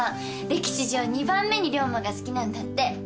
歴史上２番目に龍馬が好きなんだって。